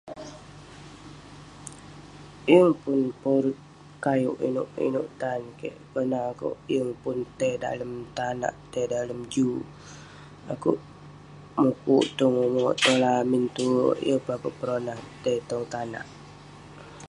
Yeng pun porut kayewk inouk inouk tan kik kerna akouk yeng pun tai dalem tanak, dai dalem juk. akouk mukuk tong umerk tong lamin tuwerk. yeng pun akouk peronah tai tong tanak